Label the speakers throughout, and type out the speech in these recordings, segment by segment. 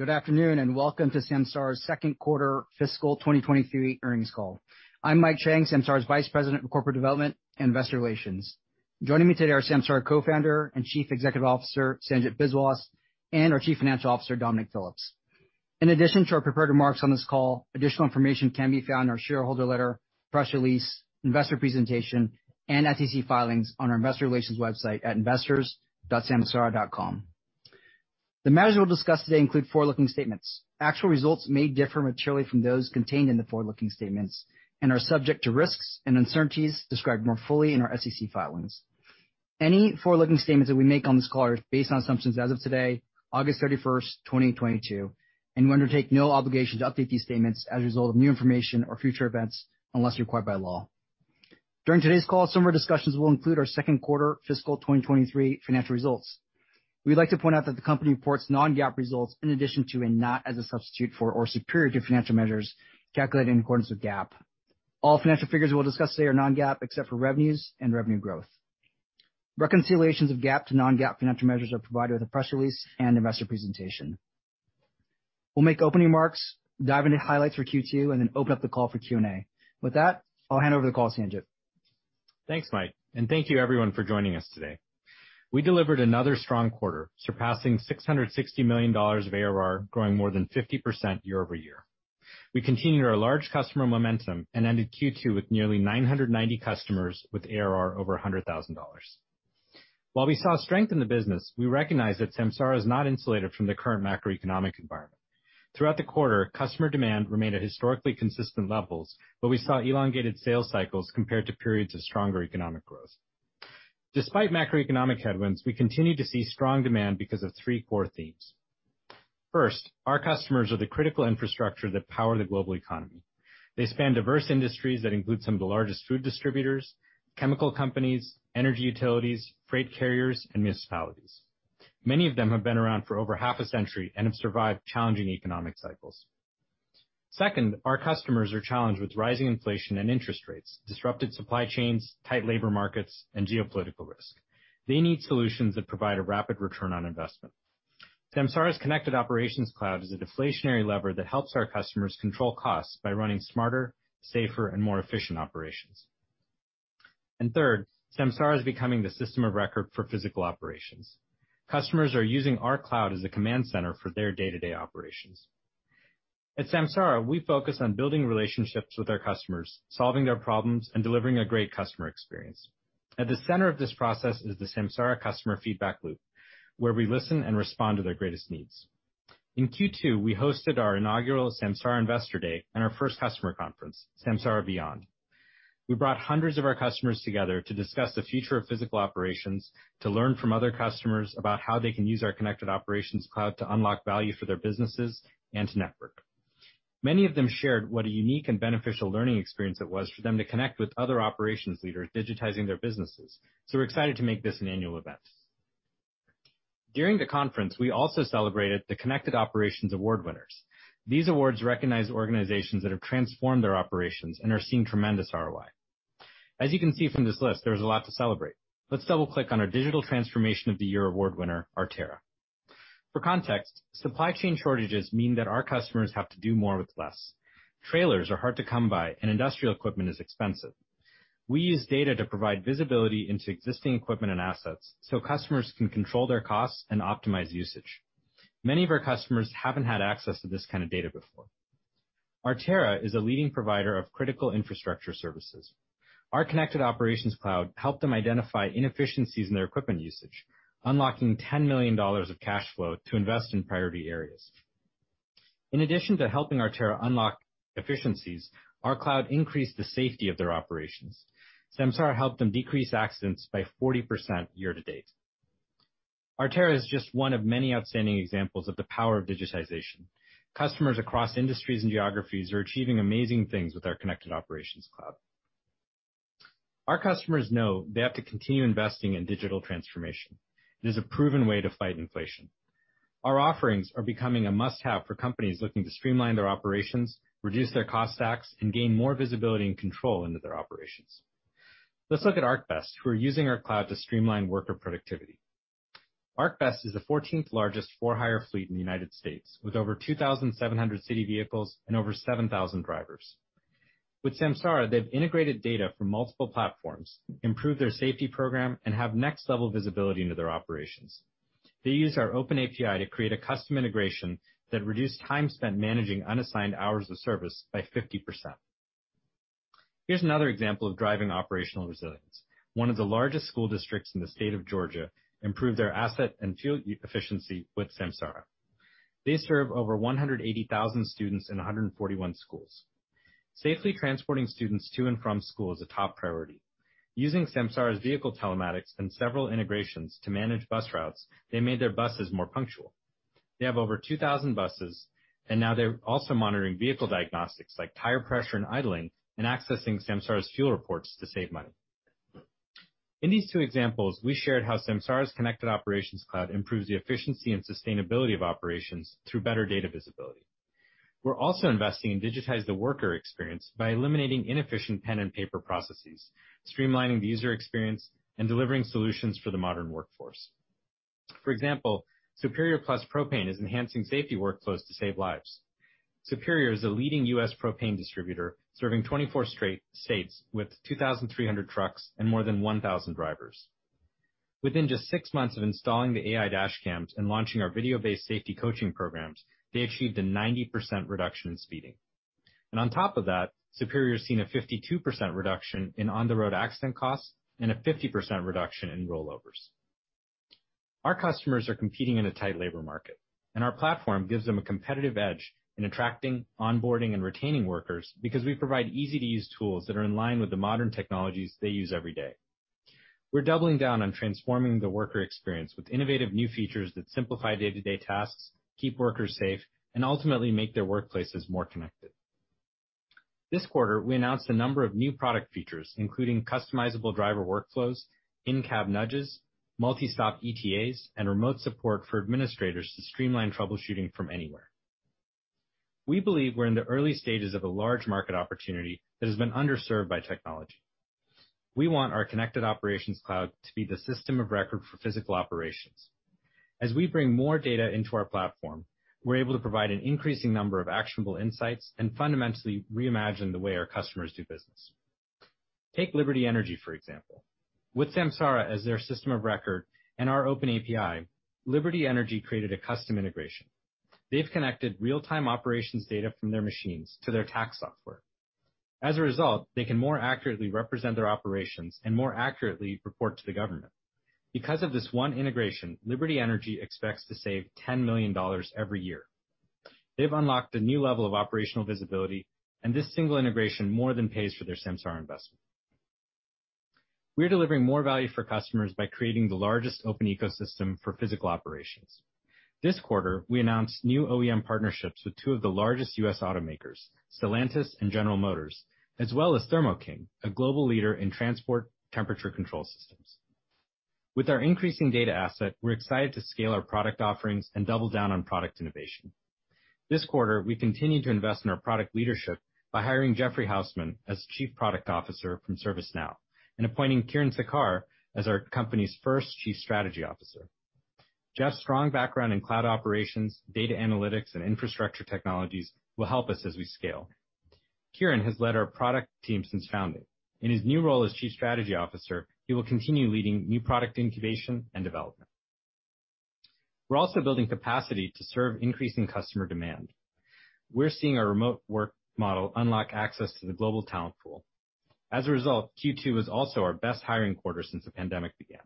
Speaker 1: Good afternoon, and welcome to Samsara's Second Quarter Fiscal 2023 Earnings Call. I'm Mike Chang, Samsara's Vice President of Corporate Development and Investor Relations. Joining me today are Samsara Co-founder and Chief Executive Officer, Sanjit Biswas, and our Chief Financial Officer, Dominic Phillips. In addition to our prepared remarks on this call, additional information can be found in our shareholder letter, press release, investor presentation, and SEC filings on our investor relations website at investors.samsara.com. The measures we'll discuss today include forward-looking statements. Actual results may differ materially from those contained in the forward-looking statements and are subject to risks and uncertainties described more fully in our SEC filings. Any forward-looking statements that we make on this call are based on assumptions as of today, August 31st, 2022, and we undertake no obligation to update these statements as a result of new information or future events unless required by law. During today's call, some of our discussions will include our second quarter fiscal 2023 financial results. We'd like to point out that the company reports non-GAAP results in addition to, and not as a substitute for or superior to, financial measures calculated in accordance with GAAP. All financial figures we'll discuss today are non-GAAP, except for revenues and revenue growth. Reconciliations of GAAP to non-GAAP financial measures are provided with the press release and investor presentation. We'll make opening remarks, dive into highlights for Q2, and then open up the call for Q&A. With that, I'll hand over the call to Sanjit.
Speaker 2: Thanks, Mike, and thank you everyone for joining us today. We delivered another strong quarter, surpassing $660 million of ARR, growing more than 50% year-over-year. We continued our large customer momentum and ended Q2 with nearly 990 customers with ARR over $100,000. While we saw strength in the business, we recognize that Samsara is not insulated from the current macroeconomic environment. Throughout the quarter, customer demand remained at historically consistent levels, but we saw elongated sales cycles compared to periods of stronger economic growth. Despite macroeconomic headwinds, we continue to see strong demand because of three core themes. First, our customers are the critical infrastructure that power the global economy. They span diverse industries that include some of the largest food distributors, chemical companies, energy utilities, freight carriers, and municipalities. Many of them have been around for over half a century and have survived challenging economic cycles. Second, our customers are challenged with rising inflation and interest rates, disrupted supply chains, tight labor markets, and geopolitical risk. They need solutions that provide a rapid return on investment. Samsara's Connected Operations Cloud is a deflationary lever that helps our customers control costs by running smarter, safer, and more efficient operations. Third, Samsara is becoming the system of record for physical operations. Customers are using our cloud as a command center for their day-to-day operations. At Samsara, we focus on building relationships with our customers, solving their problems, and delivering a great customer experience. At the center of this process is the Samsara customer feedback loop, where we listen and respond to their greatest needs. In Q2, we hosted our inaugural Samsara Investor Day and our first customer conference, Samsara Beyond. We brought hundreds of our customers together to discuss the future of physical operations, to learn from other customers about how they can use our Connected Operations Cloud to unlock value for their businesses, and to network. Many of them shared what a unique and beneficial learning experience it was for them to connect with other operations leaders digitizing their businesses, so we're excited to make this an annual event. During the conference, we also celebrated the Connected Operations award winners. These awards recognize organizations that have transformed their operations and are seeing tremendous ROI. As you can see from this list, there was a lot to celebrate. Let's double-click on our Digital Transformation of the Year Award winner, Artera. For context, supply chain shortages mean that our customers have to do more with less. Trailers are hard to come by, and industrial equipment is expensive. We use data to provide visibility into existing equipment and assets so customers can control their costs and optimize usage. Many of our customers haven't had access to this kind of data before. Artera is a leading provider of critical infrastructure services. Our Connected Operations Cloud helped them identify inefficiencies in their equipment usage, unlocking $10 million of cash flow to invest in priority areas. In addition to helping Artera unlock efficiencies, our cloud increased the safety of their operations. Samsara helped them decrease accidents by 40% year to date. Artera is just one of many outstanding examples of the power of digitization. Customers across industries and geographies are achieving amazing things with our Connected Operations Cloud. Our customers know they have to continue investing in digital transformation. It is a proven way to fight inflation. Our offerings are becoming a must-have for companies looking to streamline their operations, reduce their cost stacks, and gain more visibility and control into their operations. Let's look at ArcBest, who are using our cloud to streamline worker productivity. ArcBest is the fourteenth-largest for-hire fleet in the United States, with over 2,700 city vehicles and over 7,000 drivers. With Samsara, they've integrated data from multiple platforms, improved their safety program, and have next-level visibility into their operations. They use our open API to create a custom integration that reduced time spent managing unassigned hours of service by 50%. Here's another example of driving operational resilience. One of the largest school districts in the state of Georgia improved their asset and fuel efficiency with Samsara. They serve over 180,000 students in 141 schools. Safely transporting students to and from school is a top priority. Using Samsara's vehicle telematics and several integrations to manage bus routes, they made their buses more punctual. They have over 2,000 buses, and now they're also monitoring vehicle diagnostics like tire pressure and idling and accessing Samsara's fuel reports to save money. In these two examples, we shared how Samsara's Connected Operations Cloud improves the efficiency and sustainability of operations through better data visibility. We're also investing to digitize the worker experience by eliminating inefficient pen and paper processes, streamlining the user experience, and delivering solutions for the modern workforce. For example, Superior Plus Propane is enhancing safety workflows to save lives. Superior is a leading U.S. propane distributor, serving 24 states with 2,300 trucks and more than 1,000 drivers. Within just 6 months of installing the AI dash cams and launching our video-based safety coaching programs, they achieved a 90% reduction in speeding. On top of that, Superior has seen a 52% reduction in on-the-road accident costs and a 50% reduction in rollovers. Our customers are competing in a tight labor market, and our platform gives them a competitive edge in attracting, onboarding, and retaining workers because we provide easy-to-use tools that are in line with the modern technologies they use every day. We're doubling down on transforming the worker experience with innovative new features that simplify day-to-day tasks, keep workers safe, and ultimately make their workplaces more connected. This quarter, we announced a number of new product features, including customizable driver workflows, in-cab nudges, multi-stop ETAs, and remote support for administrators to streamline troubleshooting from anywhere. We believe we're in the early stages of a large market opportunity that has been underserved by technology. We want our Connected Operations Cloud to be the system of record for physical operations. As we bring more data into our platform, we're able to provide an increasing number of actionable insights and fundamentally reimagine the way our customers do business. Take Liberty Energy, for example. With Samsara as their system of record and our open API, Liberty Energy created a custom integration. They've connected real-time operations data from their machines to their tax software. As a result, they can more accurately represent their operations and more accurately report to the government. Because of this one integration, Liberty Energy expects to save $10 million every year. They've unlocked a new level of operational visibility, and this single integration more than pays for their Samsara investment. We're delivering more value for customers by creating the largest open ecosystem for physical operations. This quarter, we announced new OEM partnerships with two of the largest U.S. automakers, Stellantis and General Motors, as well as Thermo King, a global leader in transport temperature control systems. With our increasing data asset, we're excited to scale our product offerings and double down on product innovation. This quarter, we continued to invest in our product leadership by hiring Jeffrey Hausman as Chief Product Officer from ServiceNow and appointing Kiren Sekar as our company's first Chief Strategy Officer. Jeff's strong background in cloud operations, data analytics, and infrastructure technologies will help us as we scale. Kiren has led our product team since founding. In his new role as Chief Strategy Officer, he will continue leading new product incubation and development. We're also building capacity to serve increasing customer demand. We're seeing our remote work model unlock access to the global talent pool. As a result, Q2 was also our best hiring quarter since the pandemic began.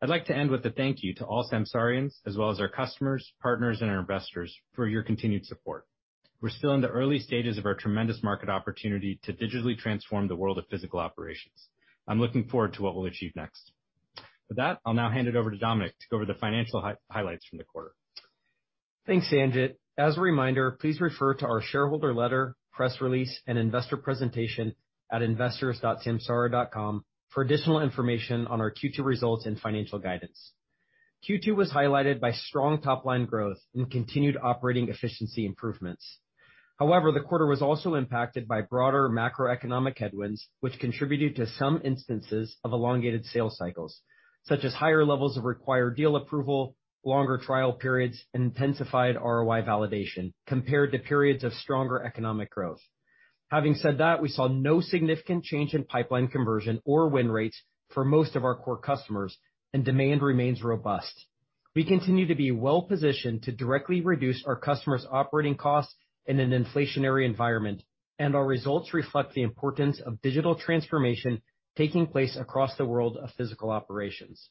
Speaker 2: I'd like to end with a thank you to all Samsarians, as well as our customers, partners, and our investors for your continued support. We're still in the early stages of our tremendous market opportunity to digitally transform the world of physical operations. I'm looking forward to what we'll achieve next. With that, I'll now hand it over to Dominic to go over the financial highlights from the quarter.
Speaker 3: Thanks, Sanjit. As a reminder, please refer to our shareholder letter, press release, and investor presentation at investors.samsara.com for additional information on our Q2 results and financial guidance. Q2 was highlighted by strong top-line growth and continued operating efficiency improvements. However, the quarter was also impacted by broader macroeconomic headwinds, which contributed to some instances of elongated sales cycles, such as higher levels of required deal approval, longer trial periods, and intensified ROI validation compared to periods of stronger economic growth. Having said that, we saw no significant change in pipeline conversion or win rates for most of our core customers, and demand remains robust. We continue to be well-positioned to directly reduce our customers' operating costs in an inflationary environment, and our results reflect the importance of digital transformation taking place across the world of physical operations.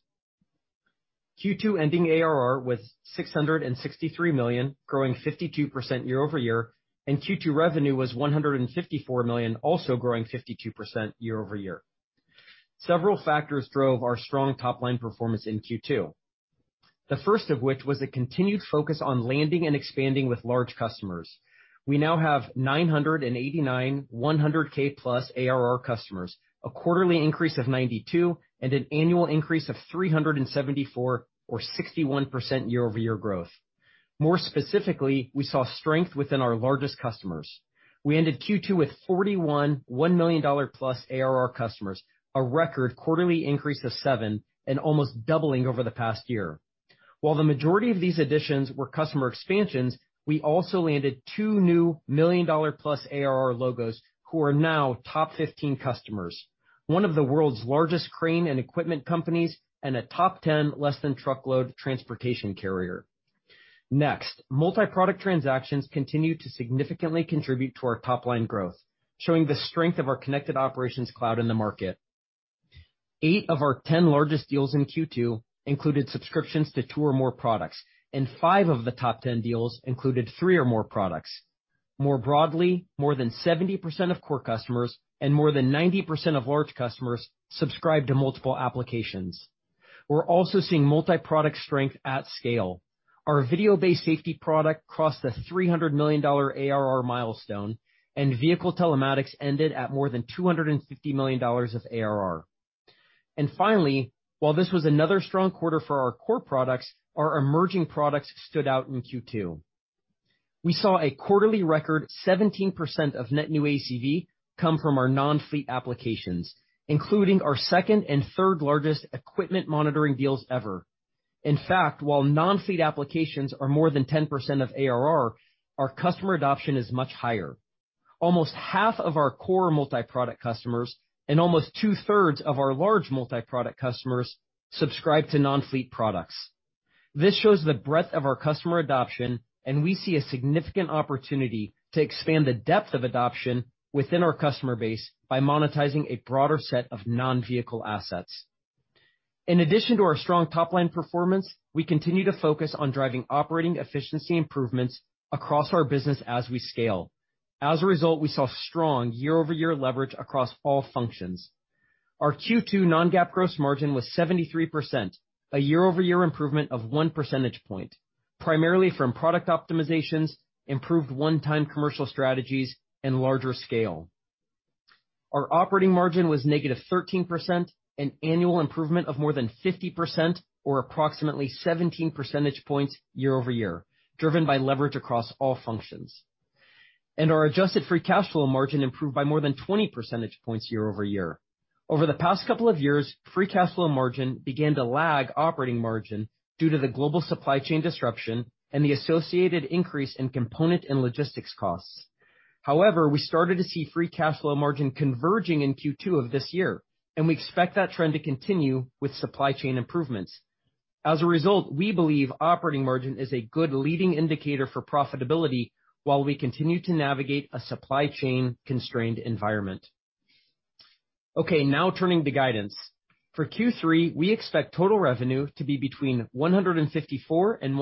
Speaker 3: Q2-ending ARR was $663 million, growing 52% year-over-year, and Q2 revenue was $154 million, also growing 52% year-over-year. Several factors drove our strong top-line performance in Q2, the first of which was a continued focus on landing and expanding with large customers. We now have 989 100K+ ARR customers, a quarterly increase of 92, and an annual increase of 374 or 61% year-over-year growth. More specifically, we saw strength within our largest customers. We ended Q2 with 41 $1 million+ ARR customers, a record quarterly increase of seven and almost doubling over the past year. While the majority of these additions were customer expansions, we also landed 2 new million-dollar-plus ARR logos who are now top 15 customers, one of the world's largest crane and equipment companies, and a top 10 less-than-truckload transportation carrier. Next, multi-product transactions continued to significantly contribute to our top-line growth, showing the strength of our Connected Operations Cloud in the market. Eight of our 10 largest deals in Q2 included subscriptions to two or more products, and five of the top 10 deals included three or more products. More broadly, more than 70% of core customers and more than 90% of large customers subscribe to multiple applications. We're also seeing multi-product strength at scale. Our video-based safety product crossed the $300 million ARR milestone, and vehicle telematics ended at more than $250 million of ARR. Finally, while this was another strong quarter for our core products, our emerging products stood out in Q2. We saw a quarterly record 17% of net new ACV come from our non-fleet applications, including our second and third largest equipment monitoring deals ever. In fact, while non-fleet applications are more than 10% of ARR, our customer adoption is much higher. Almost half of our core multi-product customers and almost two-thirds of our large multi-product customers subscribe to non-fleet products. This shows the breadth of our customer adoption, and we see a significant opportunity to expand the depth of adoption within our customer base by monetizing a broader set of non-vehicle assets. In addition to our strong top-line performance, we continue to focus on driving operating efficiency improvements across our business as we scale. As a result, we saw strong year-over-year leverage across all functions. Our Q2 non-GAAP gross margin was 73%, a year-over-year improvement of one percentage point, primarily from product optimizations, improved one-time commercial strategies, and larger scale. Our operating margin was -13%, an annual improvement of more than 50% or approximately 17 percentage points year-over-year, driven by leverage across all functions. Our adjusted free cash flow margin improved by more than 20 percentage points year-over-year. Over the past couple of years, free cash flow margin began to lag operating margin due to the global supply chain disruption and the associated increase in component and logistics costs. However, we started to see free cash flow margin converging in Q2 of this year, and we expect that trend to continue with supply chain improvements. As a result, we believe operating margin is a good leading indicator for profitability while we continue to navigate a supply chain constrained environment. Okay, now turning to guidance. For Q3, we expect total revenue to be between $154 million and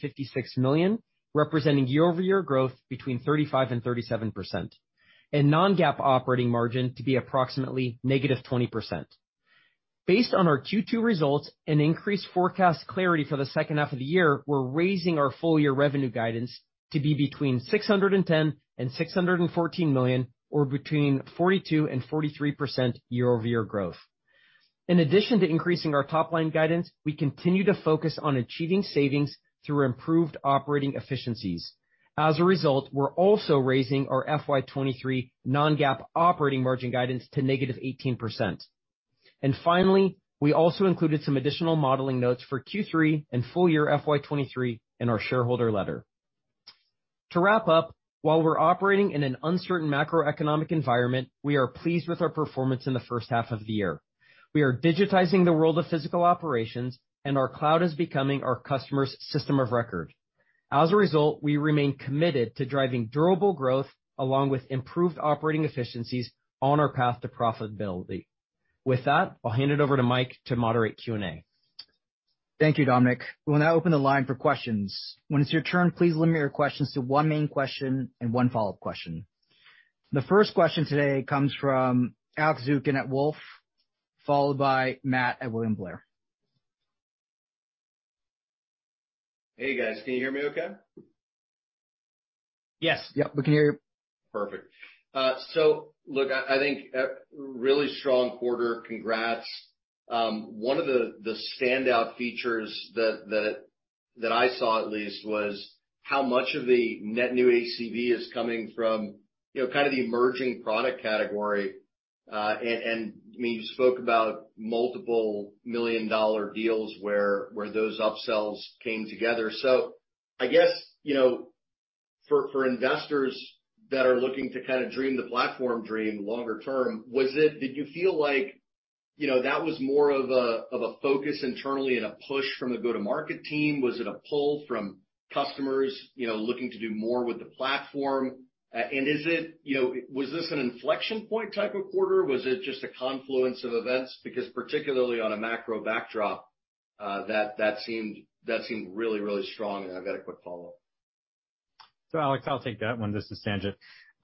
Speaker 3: $156 million, representing year-over-year growth between 35% and 37%, and non-GAAP operating margin to be approximately negative 20%. Based on our Q2 results and increased forecast clarity for the second half of the year, we're raising our full year revenue guidance to be between $610 million and $614 million or between 42% and 43% year-over-year growth. In addition to increasing our top line guidance, we continue to focus on achieving savings through improved operating efficiencies. As a result, we're also raising our FY 2023 non-GAAP operating margin guidance to negative 18%. Finally, we also included some additional modeling notes for Q3 and full year FY 2023 in our shareholder letter. To wrap up, while we're operating in an uncertain macroeconomic environment, we are pleased with our performance in the first half of the year. We are digitizing the world of physical operations, and our cloud is becoming our customers' system of record. As a result, we remain committed to driving durable growth along with improved operating efficiencies on our path to profitability. With that, I'll hand it over to Mike to moderate Q&A.
Speaker 1: Thank you, Dominic. We'll now open the line for questions. When it's your turn, please limit your questions to one main question and one follow-up question. The first question today comes from Alex Zukin at Wolfe, followed by Matt at William Blair.
Speaker 4: Hey, guys. Can you hear me okay?
Speaker 1: Yes. Yep, we can hear you.
Speaker 4: Perfect. Look, I think really strong quarter. Congrats. One of the standout features that I saw at least was how much of the net new ACV is coming from, you know, kind of the emerging product category. And I mean, you spoke about multiple million-dollar deals where those upsells came together. I guess, you know, for investors that are looking to kind of dream the platform dream longer term, did you feel like, you know, that was more of a focus internally and a push from the go-to-market team? Was it a pull from customers, you know, looking to do more with the platform? And is it? You know, was this an inflection point type of quarter? Was it just a confluence of events? Because particularly on a macro backdrop, that seemed really strong. I've got a quick follow-up.
Speaker 2: Alex, I'll take that one. This is Sanjit.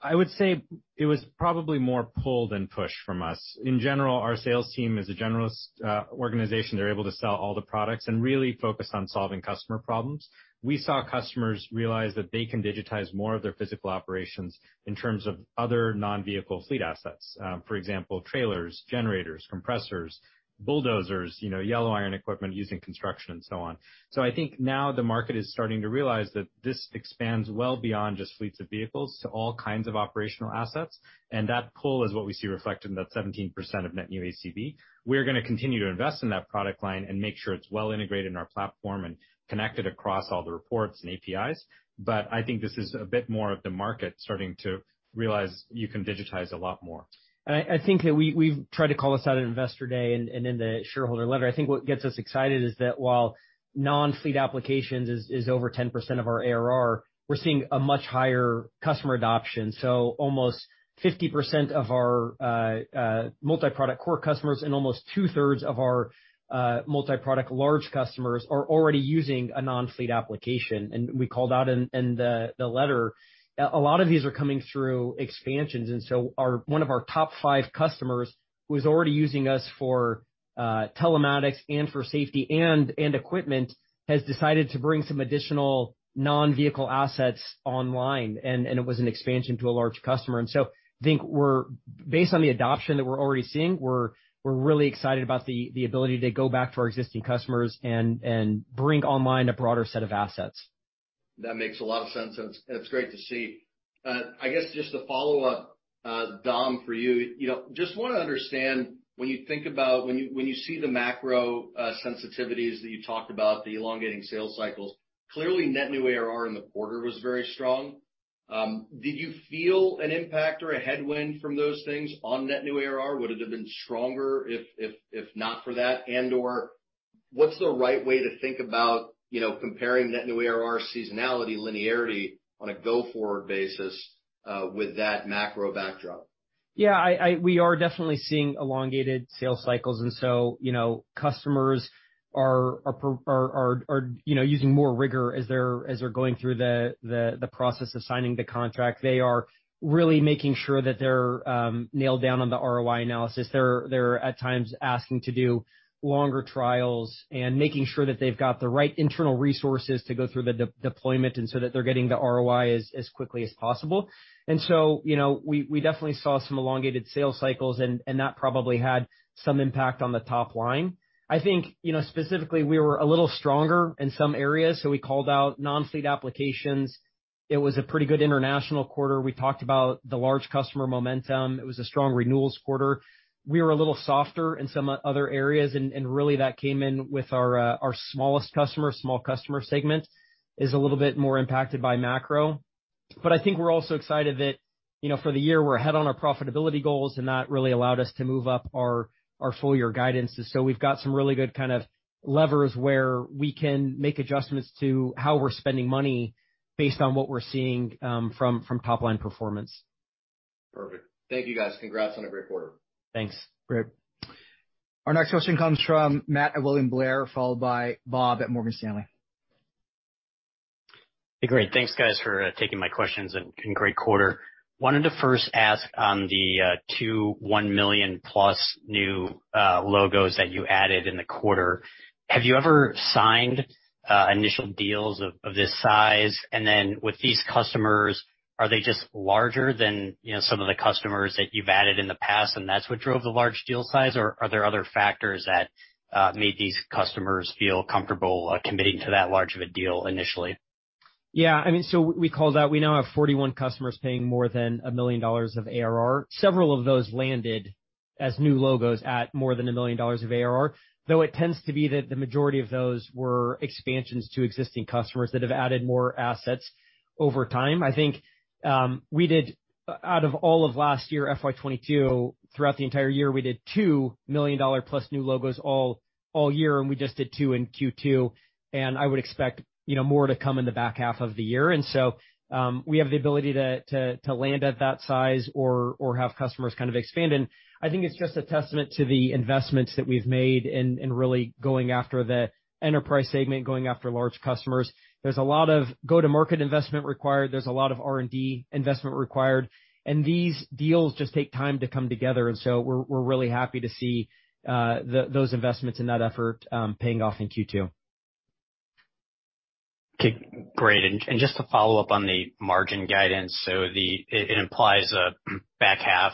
Speaker 2: I would say it was probably more pull than push from us. In general, our sales team is a generalist organization. They're able to sell all the products and really focus on solving customer problems. We saw customers realize that they can digitize more of their physical operations in terms of other non-vehicle fleet assets. For example, trailers, generators, compressors, bulldozers, you know, yellow iron equipment used in construction and so on. I think now the market is starting to realize that this expands well beyond just fleets of vehicles to all kinds of operational assets. That pull is what we see reflected in that 17% of net new ACV. We're gonna continue to invest in that product line and make sure it's well integrated in our platform and connected across all the reports and APIs. I think this is a bit more of the market starting to realize you can digitize a lot more.
Speaker 3: I think that we've tried to call this out at Investor Day and in the shareholder letter. I think what gets us excited is that while non-fleet applications is over 10% of our ARR, we're seeing a much higher customer adoption. Almost 50% of our multi-product core customers and almost 2/3 of our multi-product large customers are already using a non-fleet application. We called out in the letter a lot of these are coming through expansions. One of our top five customers who is already using us for telematics and for safety and equipment has decided to bring some additional non-vehicle assets online, and it was an expansion to a large customer. I think we're Based on the adoption that we're already seeing, we're really excited about the ability to go back to our existing customers and bring online a broader set of assets.
Speaker 4: That makes a lot of sense, and it's great to see. I guess just to follow up, Dom, for you know, just wanna understand when you see the macro sensitivities that you talked about, the elongating sales cycles, clearly net new ARR in the quarter was very strong. Did you feel an impact or a headwind from those things on net new ARR? Would it have been stronger if not for that? And/or what's the right way to think about, you know, comparing net new ARR seasonality linearity on a go-forward basis with that macro backdrop?
Speaker 3: Yeah. We are definitely seeing elongated sales cycles, you know, customers are using more rigor as they're going through the process of signing the contract. They are really making sure that they're nailed down on the ROI analysis. They're at times asking to do longer trials and making sure that they've got the right internal resources to go through the deployment and so that they're getting the ROI as quickly as possible. You know, we definitely saw some elongated sales cycles and that probably had some impact on the top line. I think, you know, specifically, we were a little stronger in some areas, so we called out non-fleet applications. It was a pretty good international quarter. We talked about the large customer momentum. It was a strong renewals quarter. We were a little softer in some other areas and really that came in with our smallest customer. Small customer segment is a little bit more impacted by macro. I think we're also excited that, you know, for the year, we're ahead on our profitability goals, and that really allowed us to move up our full year guidance. We've got some really good kind of levers where we can make adjustments to how we're spending money based on what we're seeing from top-line performance.
Speaker 4: Perfect. Thank you guys. Congrats on a great quarter.
Speaker 3: Thanks.
Speaker 1: Great. Our next question comes from Matt at William Blair, followed by Bob at Morgan Stanley.
Speaker 5: Hey, great. Thanks, guys, for taking my questions, and great quarter. Wanted to first ask on the two $1 million-plus new logos that you added in the quarter. Have you ever signed initial deals of this size? And then with these customers, are they just larger than, you know, some of the customers that you've added in the past, and that's what drove the large deal size? Or are there other factors that made these customers feel comfortable committing to that large of a deal initially?
Speaker 3: Yeah. I mean, we called out we now have 41 customers paying more than $1 million of ARR. Several of those landed as new logos at more than $1 million of ARR, though it tends to be that the majority of those were expansions to existing customers that have added more assets over time. I think, we did out of all of last year, FY 2022, throughout the entire year, we did two million dollar-plus new logos all year, and we just did two in Q2. I would expect, you know, more to come in the back half of the year. We have the ability to land at that size or have customers kind of expand. I think it's just a testament to the investments that we've made in really going after the enterprise segment, going after large customers. There's a lot of go-to-market investment required. There's a lot of R&D investment required. These deals just take time to come together. We're really happy to see those investments and that effort paying off in Q2.
Speaker 5: Okay, great. Just to follow up on the margin guidance. It implies a back half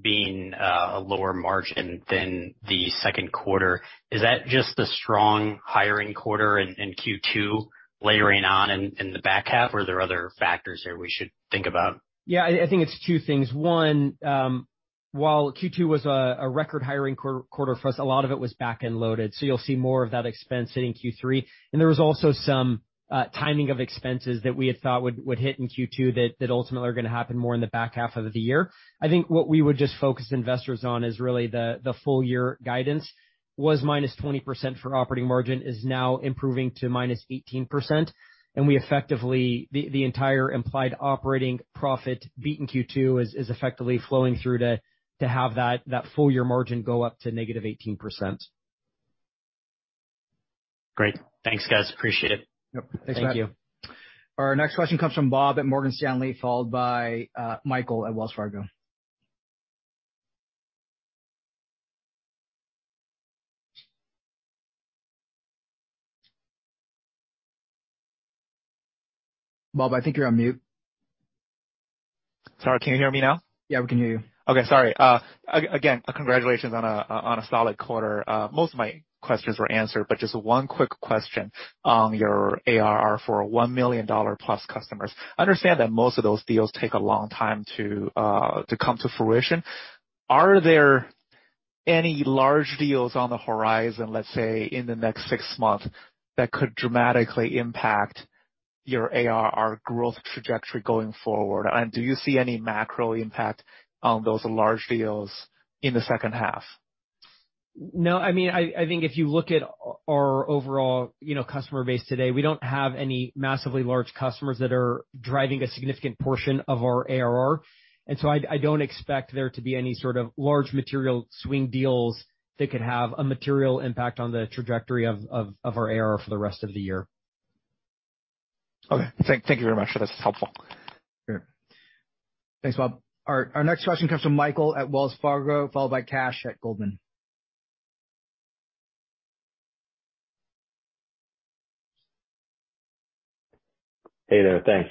Speaker 5: being a lower margin than the second quarter. Is that just the strong hiring quarter in Q2 layering on in the back half, or are there other factors there we should think about?
Speaker 3: Yeah. I think it's two things. One, while Q2 was a record hiring quarter for us, a lot of it was back-end loaded, so you'll see more of that expense hitting Q3. There was also some timing of expenses that we had thought would hit in Q2 that ultimately are gonna happen more in the back half of the year. I think what we would just focus investors on is really the full year guidance was -20% for operating margin, is now improving to -18%. We effectively, the entire implied operating profit beat in Q2 is effectively flowing through to have that full year margin go up to -18%.
Speaker 5: Great. Thanks, guys. Appreciate it.
Speaker 3: Yep. Thanks, Matt.
Speaker 1: Thank you. Our next question comes from Bob at Morgan Stanley, followed by Michael at Wells Fargo. Bob, I think you're on mute.
Speaker 6: Sorry, can you hear me now?
Speaker 1: Yeah, we can hear you.
Speaker 6: Okay. Sorry. Again, congratulations on a solid quarter. Most of my questions were answered, but just one quick question on your ARR for $1 million-plus customers. I understand that most of those deals take a long time to come to fruition. Are there any large deals on the horizon, let's say in the next six months, that could dramatically impact your ARR growth trajectory going forward? Do you see any macro impact on those large deals in the second half?
Speaker 3: No. I mean, I think if you look at our overall, you know, customer base today, we don't have any massively large customers that are driving a significant portion of our ARR. I don't expect there to be any sort of large material swing deals that could have a material impact on the trajectory of our ARR for the rest of the year.
Speaker 6: Okay. Thank you very much. That's helpful.
Speaker 2: Sure. Thanks, Bob. Our next question comes from Michael at Wells Fargo, followed by Kash at Goldman.
Speaker 7: Hey there. Thanks.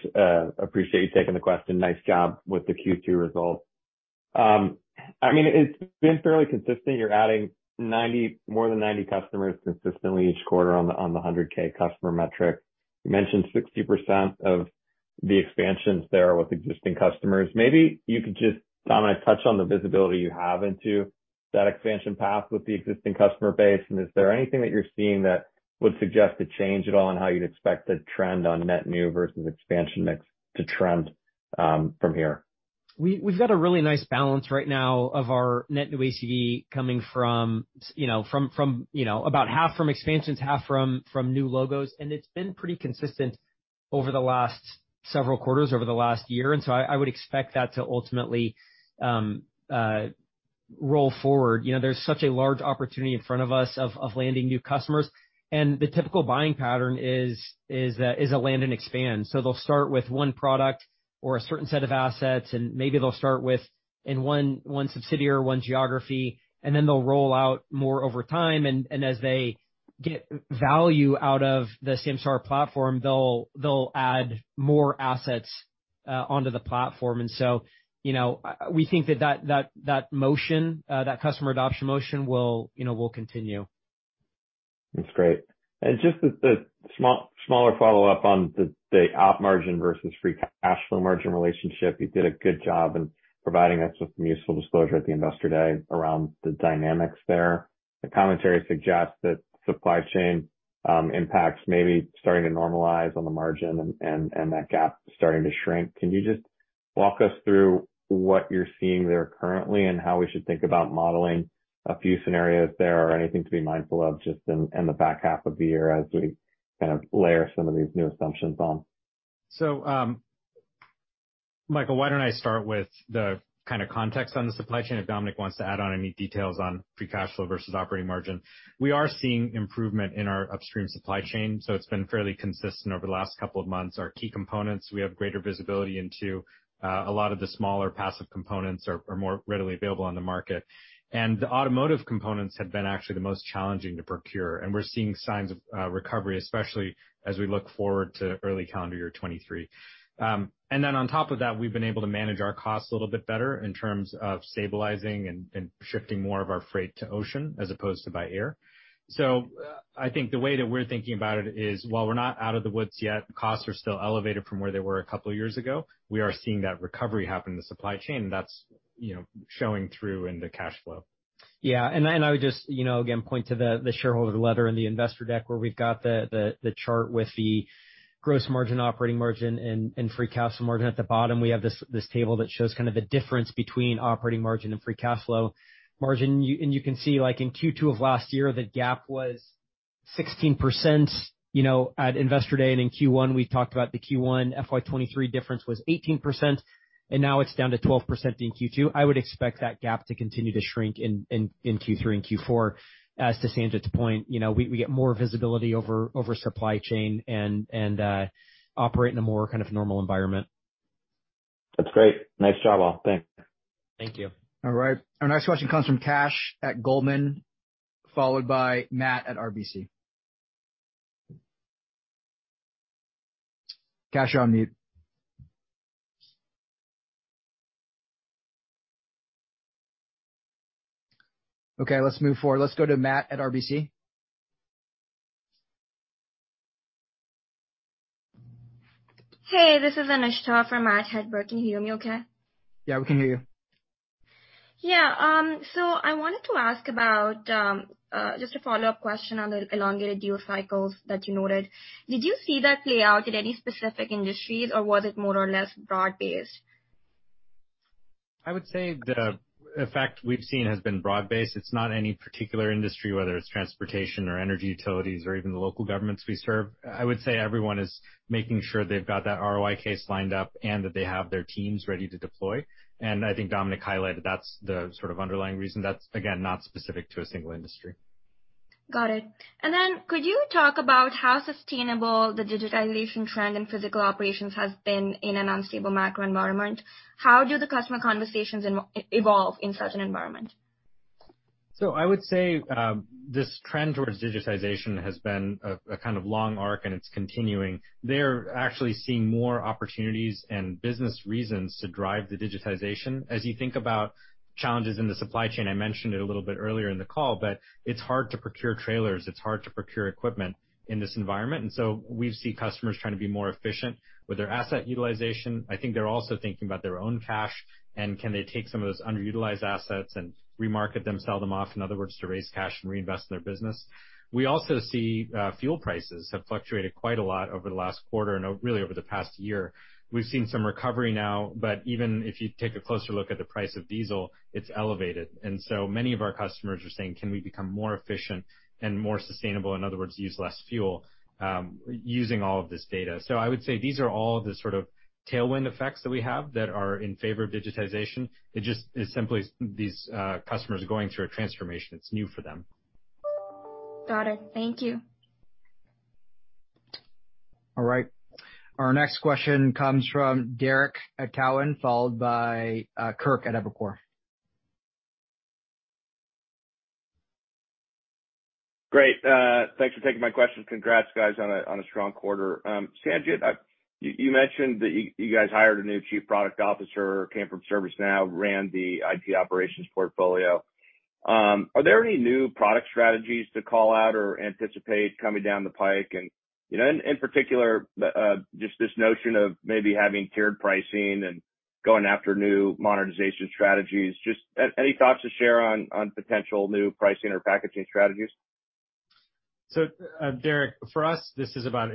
Speaker 7: Appreciate you taking the question. Nice job with the Q2 results. I mean, it's been fairly consistent. You're adding more than 90 customers consistently each quarter on the 100K customer metric. You mentioned 60% of the expansions there with existing customers. Maybe you could just, Dom, touch on the visibility you have into that expansion path with the existing customer base. Is there anything that you're seeing that would suggest a change at all on how you'd expect the trend on net new versus expansion mix to trend from here?
Speaker 3: We've got a really nice balance right now of our net new ACV coming from, you know, from about half from expansions, half from new logos. It's been pretty consistent over the last several quarters over the last year. I would expect that to ultimately roll forward. You know, there's such a large opportunity in front of us of landing new customers. The typical buying pattern is a land and expand. They'll start with one product or a certain set of assets, and maybe they'll start with one subsidiary or one geography, and then they'll roll out more over time. As they get value out of the Samsara platform, they'll add more assets onto the platform. You know, we think that customer adoption motion will, you know, continue.
Speaker 7: That's great. Just a smaller follow-up on the op margin versus free cash flow margin relationship. You did a good job in providing us with some useful disclosure at the Investor Day around the dynamics there. The commentary suggests that supply chain impacts may be starting to normalize on the margin and that gap starting to shrink. Can you just walk us through what you're seeing there currently and how we should think about modeling a few scenarios there or anything to be mindful of just in the back half of the year as we kind of layer some of these new assumptions on?
Speaker 2: Michael, why don't I start with the kind of context on the supply chain, if Dominic wants to add on any details on free cash flow versus operating margin. We are seeing improvement in our upstream supply chain, so it's been fairly consistent over the last couple of months. Our key components, we have greater visibility into. A lot of the smaller passive components are more readily available on the market. The automotive components have been actually the most challenging to procure, and we're seeing signs of recovery, especially as we look forward to early calendar year 2023. And then on top of that, we've been able to manage our costs a little bit better in terms of stabilizing and shifting more of our freight to ocean as opposed to by air. I think the way that we're thinking about it is, while we're not out of the woods yet, costs are still elevated from where they were a couple of years ago. We are seeing that recovery happen in the supply chain, and that's, you know, showing through in the cash flow.
Speaker 3: I would just, you know, again, point to the shareholder letter in the investor deck where we've got the chart with the gross margin, operating margin and free cash margin. At the bottom, we have this table that shows kind of the difference between operating margin and free cash flow margin. You can see, like in Q2 of last year, the gap was 16%. You know, at Investor Day and in Q1, we talked about the Q1 FY23 difference was 18%, and now it's down to 12% in Q2. I would expect that gap to continue to shrink in Q3 and Q4. As to Sanjit's point, you know, we get more visibility over supply chain and operate in a more kind of normal environment.
Speaker 7: That's great. Nice job all. Thanks.
Speaker 2: Thank you. All right. Our next question comes from Kash at Goldman, followed by Matt at RBC. Kash, you're on mute. Okay, let's move forward. Let's go to Matt at RBC.
Speaker 8: Hey, this is Anushka for Matt Hedberg. Can you hear me okay?
Speaker 2: Yeah, we can hear you.
Speaker 8: I wanted to ask about just a follow-up question on the elongated deal cycles that you noted. Did you see that play out in any specific industries, or was it more or less broad-based?
Speaker 2: I would say the effect we've seen has been broad-based. It's not any particular industry, whether it's transportation or energy utilities or even the local governments we serve. I would say everyone is making sure they've got that ROI case lined up and that they have their teams ready to deploy. I think Dominic highlighted that's the sort of underlying reason. That's, again, not specific to a single industry.
Speaker 8: Got it. Could you talk about how sustainable the digitalization trend in physical operations has been in an unstable macro environment? How do the customer conversations evolve in such an environment?
Speaker 2: I would say this trend towards digitization has been a kind of long arc, and it's continuing. They're actually seeing more opportunities and business reasons to drive the digitization. As you think about challenges in the supply chain, I mentioned it a little bit earlier in the call, but it's hard to procure trailers. It's hard to procure equipment in this environment. We see customers trying to be more efficient with their asset utilization. I think they're also thinking about their own cash and can they take some of those underutilized assets and remarket them, sell them off, in other words, to raise cash and reinvest in their business. We also see fuel prices have fluctuated quite a lot over the last quarter and really over the past year. We've seen some recovery now, but even if you take a closer look at the price of diesel, it's elevated. Many of our customers are saying, "Can we become more efficient and more sustainable?" In other words, use less fuel, using all of this data. I would say these are all the sort of tailwind effects that we have that are in favor of digitization. It just is simply these, customers are going through a transformation. It's new for them.
Speaker 8: Got it. Thank you.
Speaker 1: All right. Our next question comes from Derrick at Cowen, followed by Kirk at Evercore.
Speaker 9: Great. Thanks for taking my questions. Congrats, guys, on a strong quarter. Sanjit, you mentioned that you guys hired a new chief product officer, came from ServiceNow, ran the IT operations portfolio. Are there any new product strategies to call out or anticipate coming down the pike? You know, in particular, just this notion of maybe having tiered pricing and going after new monetization strategies, just any thoughts to share on potential new pricing or packaging strategies?
Speaker 2: Derek, for us, this is about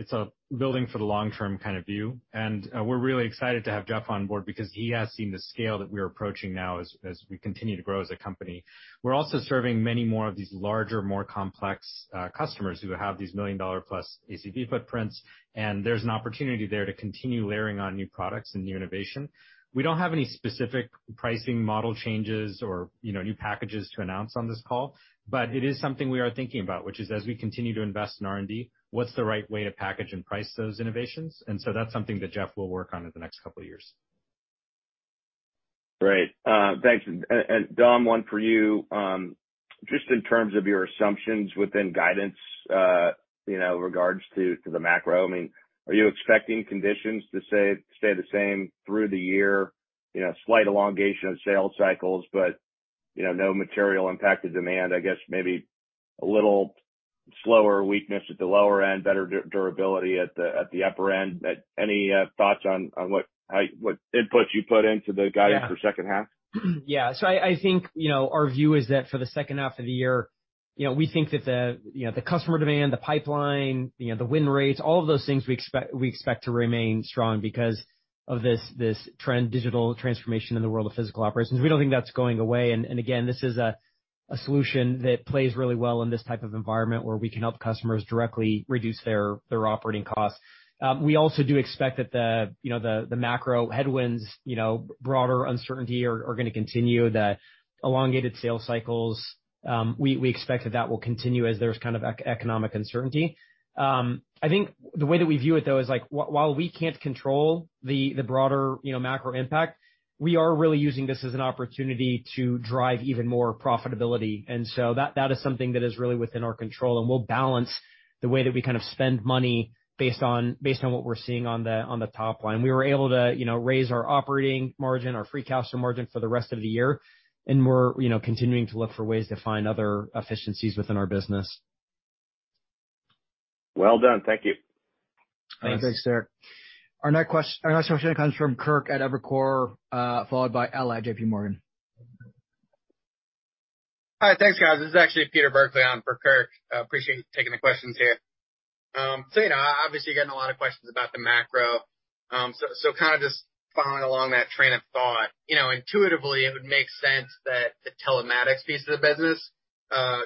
Speaker 2: building for the long term kind of view. We're really excited to have Jeff on board because he has seen the scale that we're approaching now as we continue to grow as a company. We're also serving many more of these larger, more complex, customers who have these million-dollar-plus ACV footprints, and there's an opportunity there to continue layering on new products and new innovation. We don't have any specific pricing model changes or, you know, new packages to announce on this call, but it is something we are thinking about, which is, as we continue to invest in R&D, what's the right way to package and price those innovations. That's something that Jeff will work on in the next couple of years.
Speaker 9: Great. Thanks. Dom, one for you. Just in terms of your assumptions within guidance, you know, regards to the macro, I mean, are you expecting conditions to, say, stay the same through the year? You know, slight elongation of sales cycles, but, you know, no material impact to demand. I guess maybe a little slower weakness at the lower end, better durability at the upper end. Any thoughts on what inputs you put into the guidance for second half?
Speaker 3: Yeah. I think, you know, our view is that for the second half of the year, you know, we think that the, you know, the customer demand, the pipeline, you know, the win rates, all of those things we expect to remain strong because of this trend, digital transformation in the world of physical operations. We don't think that's going away. Again, this is a solution that plays really well in this type of environment where we can help customers directly reduce their operating costs. We also do expect that the, you know, the macro headwinds, you know, broader uncertainty are gonna continue. The elongated sales cycles, we expect that will continue as there's kind of economic uncertainty. I think the way that we view it though, is like while we can't control the broader, you know, macro impact, we are really using this as an opportunity to drive even more profitability. That is something that is really within our control, and we'll balance the way that we kind of spend money based on what we're seeing on the top line. We were able to, you know, raise our operating margin, our free cash flow margin for the rest of the year, and we're, you know, continuing to look for ways to find other efficiencies within our business.
Speaker 9: Well done. Thank you.
Speaker 3: Thanks.
Speaker 1: Thanks, Derek. Our next question comes from Kirk at Evercore, followed by Ella at JP Morgan.
Speaker 10: All right. Thanks, guys. This is actually Peter Burkly on for Kirk. Appreciate you taking the questions here. You know, obviously getting a lot of questions about the macro. Kinda just following along that train of thought, you know, intuitively it would make sense that the telematics piece of the business,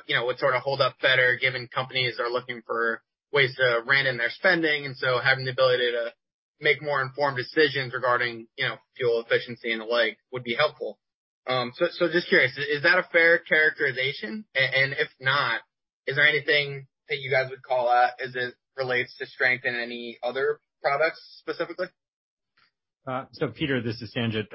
Speaker 10: you know, would sort of hold up better, given companies are looking for ways to rein in their spending. Having the ability to make more informed decisions regarding, you know, fuel efficiency and the like would be helpful. Just curious, is that a fair characterization? If not, is there anything that you guys would call out as it relates to strength in any other products specifically?
Speaker 2: Peter, this is Sanjit.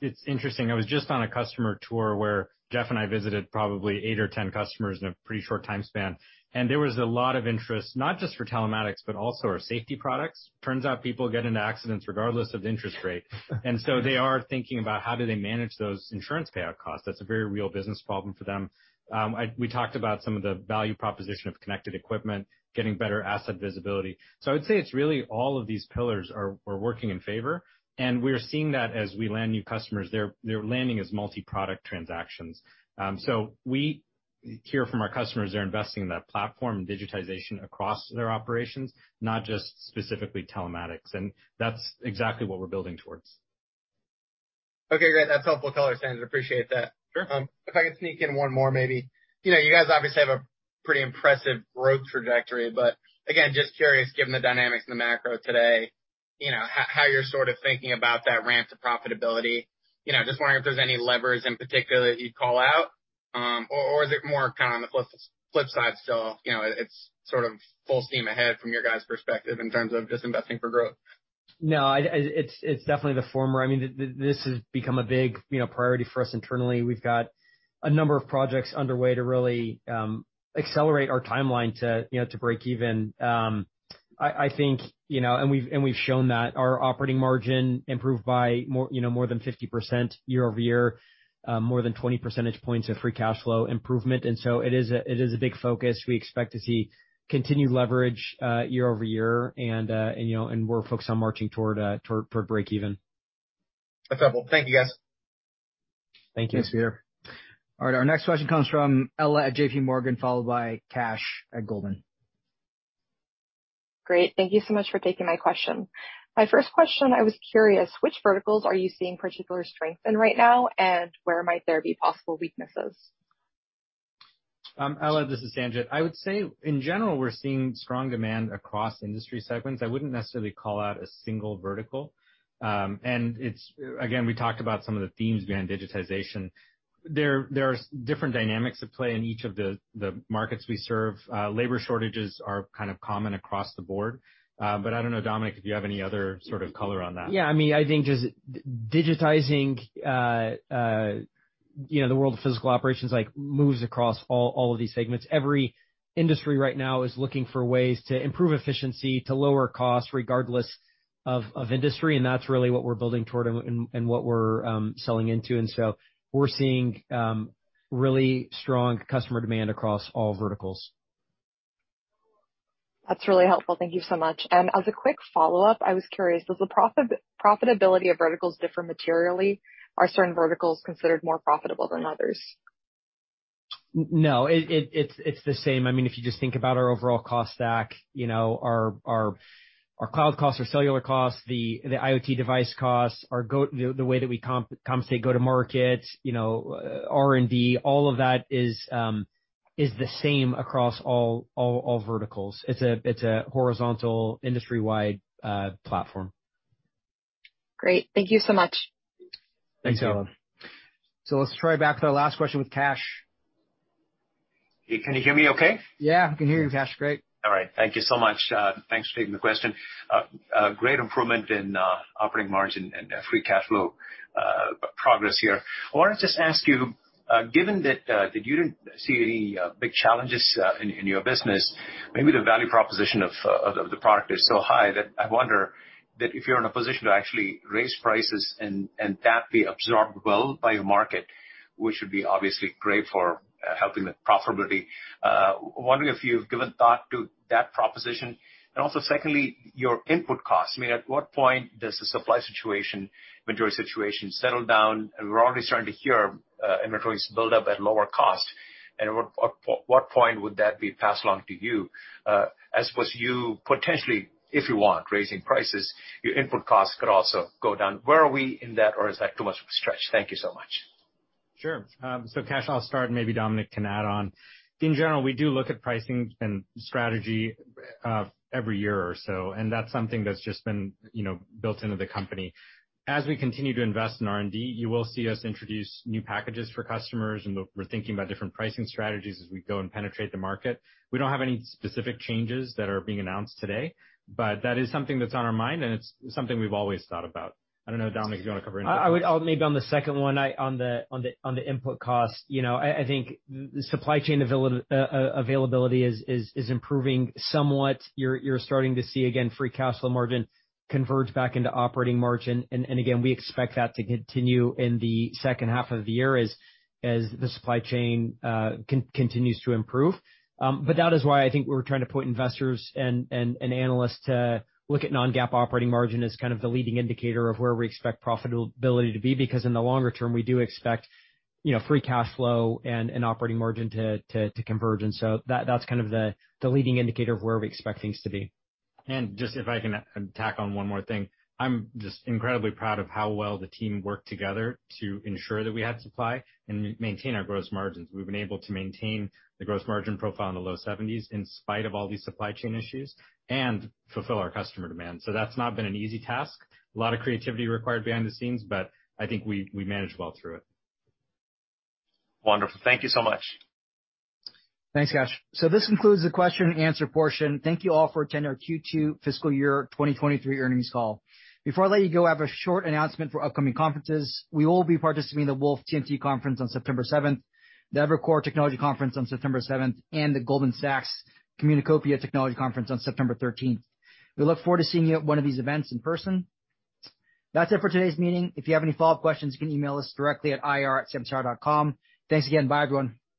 Speaker 2: It's interesting. I was just on a customer tour where Jeff and I visited probably eight or 10 customers in a pretty short time span, and there was a lot of interest, not just for telematics, but also our safety products. Turns out people get into accidents regardless of the interest rate. They are thinking about how do they manage those insurance payout costs. That's a very real business problem for them. We talked about some of the value proposition of connected equipment, getting better asset visibility. I would say it's really all of these pillars are working in favor, and we're seeing that as we land new customers. They're landing as multi-product transactions. We hear from our customers they're investing in that platform and digitization across their operations, not just specifically telematics. That's exactly what we're building towards.
Speaker 10: Okay, great. That's helpful color, Sanjit. Appreciate that.
Speaker 2: Sure.
Speaker 10: If I could sneak in one more, maybe. You know, you guys obviously have a pretty impressive growth trajectory, but again, just curious, given the dynamics in the macro today, you know, how you're sort of thinking about that ramp to profitability. You know, just wondering if there's any levers in particular that you'd call out, or is it more kind of on the flip side still, you know, it's sort of full steam ahead from your guys' perspective in terms of just investing for growth?
Speaker 3: No, it's definitely the former. I mean, this has become a big, you know, priority for us internally. We've got a number of projects underway to really accelerate our timeline to, you know, to break even. I think, you know, we've shown that our operating margin improved by more, you know, more than 50% year-over-year, more than 20 percentage points of free cash flow improvement. It is a big focus. We expect to see continued leverage year-over-year. You know, we're focused on marching toward break even.
Speaker 10: That's helpful. Thank you, guys.
Speaker 2: Thank you.
Speaker 1: Thanks, Peter. All right, our next question comes from Ella at JPMorgan, followed by Kash at Goldman Sachs.
Speaker 11: Great. Thank you so much for taking my question. My first question, I was curious, which verticals are you seeing particular strength in right now, and where might there be possible weaknesses?
Speaker 2: Ella, this is Sanjit. I would say in general, we're seeing strong demand across industry segments. I wouldn't necessarily call out a single vertical. It's, again, we talked about some of the themes behind digitization. There are different dynamics at play in each of the markets we serve. Labor shortages are kind of common across the board. I don't know, Dominic, if you have any other sort of color on that.
Speaker 3: Yeah, I mean, I think just digitizing, you know, the world of physical operations, like, moves across all of these segments. Every industry right now is looking for ways to improve efficiency, to lower costs regardless of industry, and that's really what we're building toward and what we're selling into. We're seeing really strong customer demand across all verticals.
Speaker 11: That's really helpful. Thank you so much. As a quick follow-up, I was curious, does the profitability of verticals differ materially? Are certain verticals considered more profitable than others?
Speaker 3: No, it's the same. I mean, if you just think about our overall cost stack, you know, our cloud costs, our cellular costs, the IoT device costs, the way that we compensate go-to-market, you know, R&D, all of that is the same across all verticals. It's a horizontal industry-wide platform.
Speaker 11: Great. Thank you so much.
Speaker 2: Thanks, Ella.
Speaker 3: Let's try back to our last question with Kash.
Speaker 12: Can you hear me okay?
Speaker 3: Yeah, I can hear you, Kash. Great.
Speaker 12: All right. Thank you so much. Thanks for taking the question. Great improvement in operating margin and free cash flow progress here. I wanted to just ask you, given that you didn't see any big challenges in your business, maybe the value proposition of the product is so high that I wonder if you're in a position to actually raise prices and that be absorbed well by your market, which would be obviously great for helping the profitability. Wondering if you've given thought to that proposition. Also secondly, your input costs. I mean, at what point does the supply chain situation settle down? We're already starting to hear inventories build up at lower cost. At what point would that be passed along to you? As opposed to you potentially, if you want, raising prices, your input costs could also go down. Where are we in that or is that too much of a stretch? Thank you so much.
Speaker 2: Sure. Kash, I'll start, and maybe Dominic can add on. In general, we do look at pricing and strategy, every year or so, and that's something that's just been, you know, built into the company. As we continue to invest in R&D, you will see us introduce new packages for customers, and we're thinking about different pricing strategies as we go and penetrate the market. We don't have any specific changes that are being announced today, but that is something that's on our mind, and it's something we've always thought about. I don't know, Dominic, do you wanna cover anything?
Speaker 3: Maybe on the second one, on the input cost, you know, I think supply chain availability is improving somewhat. You're starting to see, again, free cash flow margin converge back into operating margin. Again, we expect that to continue in the second half of the year as the supply chain continues to improve. But that is why I think we're trying to point investors and analysts to look at non-GAAP operating margin as kind of the leading indicator of where we expect profitability to be, because in the longer term, we do expect, you know, free cash flow and operating margin to converge. That that's kind of the leading indicator of where we expect things to be.
Speaker 2: Just if I can tack on one more thing. I'm just incredibly proud of how well the team worked together to ensure that we had supply and maintain our gross margins. We've been able to maintain the gross margin profile in the low 70s% in spite of all these supply chain issues and fulfill our customer demand. That's not been an easy task. A lot of creativity required behind the scenes, but I think we managed well through it.
Speaker 12: Wonderful. Thank you so much.
Speaker 1: Thanks, Kash. This concludes the question-and-answer portion. Thank you all for attending our Q2 Fiscal Year 2023 Earnings Call. Before I let you go, I have a short announcement for upcoming conferences. We will be participating in the Wolfe TMT Conference on September 7th, the Evercore Technology Conference on September 7th, and the Goldman Sachs Communacopia + Technology Conference on September 13th. We look forward to seeing you at one of these events in person. That's it for today's meeting. If you have any follow-up questions, you can email us directly at ir@samsara.com. Thanks again. Bye, everyone.